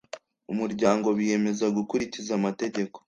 umuryango biyemeza gukurikiza amategeko